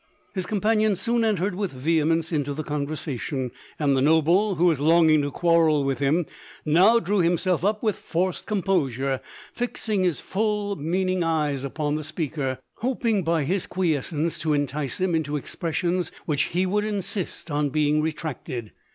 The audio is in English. His companion soon entered with vehemence into the conversation ; and the noble, who was longing to quarrel with him, now drew himself up with forced composure, fixing his full mean LODORE. 257 ing eyes upon the speaker, hoping by his quies cence to entiee him into expressions which he would insist on being retracted.